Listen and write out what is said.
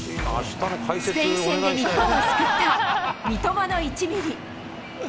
スペイン戦で日本を救った三笘の１ミリ。